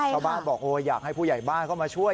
ชาวบ้านบอกโอ้อยากให้ผู้ใหญ่บ้านเข้ามาช่วย